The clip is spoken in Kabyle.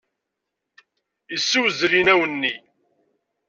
Yessewzel inaw-nni.